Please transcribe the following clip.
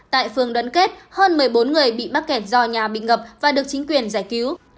tại phường đoàn kết hơn một mươi bốn người bị mắc kẹt do nhà bị ngập và được chính quyền giải cứu